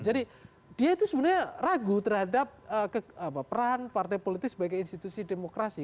jadi dia itu sebenarnya ragu terhadap peran partai politik sebagai institusi demokrasi